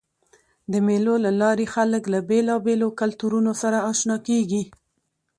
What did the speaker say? د مېلو له لاري خلک له بېلابېلو کلتورونو سره اشنا کېږي.